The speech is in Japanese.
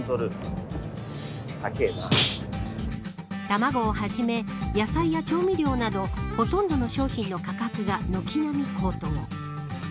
卵をはじめ野菜や調味料などほとんどの商品の価格が軒並み高騰。